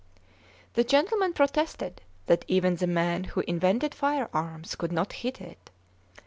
The gentlemen protested that even the man who invented firearms could not hit it.